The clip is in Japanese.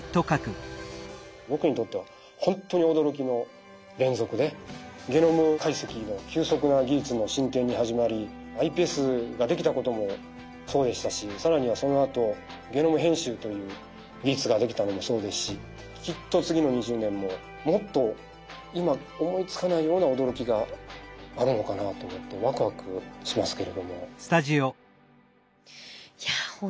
僕にとってはほんとに驚きの連続でゲノム解析の急速な技術の進展に始まりｉＰＳができたこともそうでしたし更にはそのあとゲノム編集という技術ができたのもそうですしきっと次の２０年ももっと今思いつかないような驚きがあるのかなと思ってワクワクしますけれども。